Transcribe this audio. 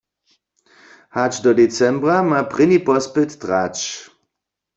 Hač do decembra ma prěni pospyt trać.